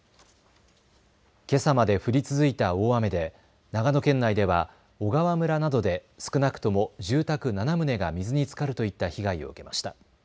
けさまで降り続いた大雨で長野県内では小川村などで少なくとも住宅７棟が水につかるといった被害を受けました。